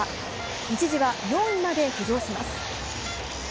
一時は４位まで浮上します。